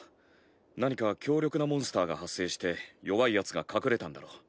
何か強力なモンスターが発生して弱いヤツが隠れたんだろう。